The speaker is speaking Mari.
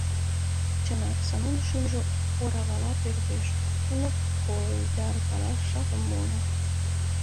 Чынак, Санун шӱмжӧ оравала пӧрдеш, нуно койдаркалаш жапым муыныт...